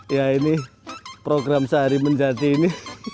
ya ini program sehari menjadi ini